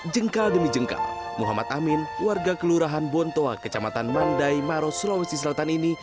jengkal demi jengkal muhammad amin warga kelurahan bontoa kecamatan mandai maros sulawesi selatan ini